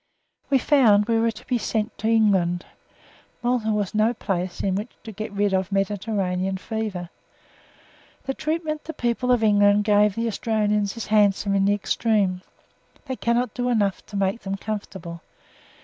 We found we were to be sent to England. Malta was no place in which to get rid of Mediterranean fever. The treatment the people of England give the Australians is handsome in the extreme. They cannot do enough to make them comfortable.